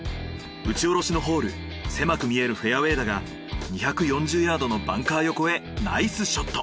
打ち下ろしのホール狭く見えるフェアウェイだが２４０ヤードのバンカー横へナイスショット。